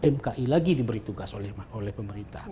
mki lagi diberi tugas oleh pemerintah